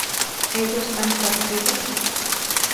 ¿ellos han partido?